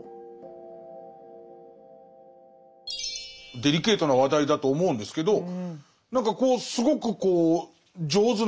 デリケートな話題だと思うんですけど何かこうすごく上手な仕掛けを考えてる。